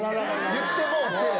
言ってもうて。